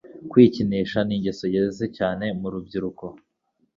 kwikinisha ni ingeso yeze cyane mu rubyiruko